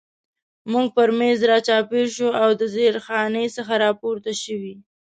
موږ پر مېز را چاپېر شو او د زیرخانې څخه را پورته شوي.